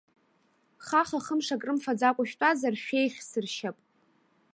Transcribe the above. Хаха-хымш акрымфаӡакәа шәтәазар шәеиӷьсыршьап.